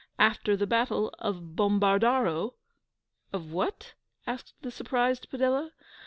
After the battle of Bombardaro ' 'Of what?' asked the surprised Padella.